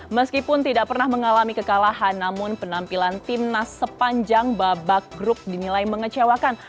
meskipun tidak pernah mengalami kekalahan namun penampilan timnas sepanjang babak grup dinilai mengecewakan